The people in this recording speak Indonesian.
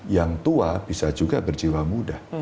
yang tua bisa juga berjiwa muda